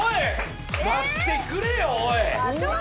待ってくれよおい！